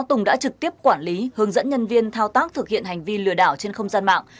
tùng đã trực tiếp quản lý hướng dẫn nhân viên thao tác thực hiện hành vi lừa đảo trên không gian mạng